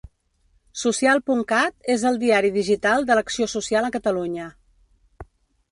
Social.cat és el diari digital de l'acció social a Catalunya.